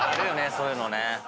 そういうのね。